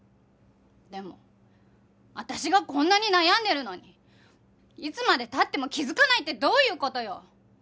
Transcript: でも私がこんなに悩んでるのにいつまで経っても気づかないってどういう事よ？